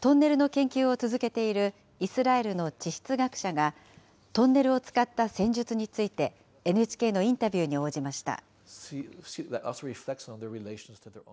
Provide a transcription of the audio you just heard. トンネルの研究を続けているイスラエルの地質学者が、トンネルを使った戦術について、ＮＨＫのインタビューに応じました。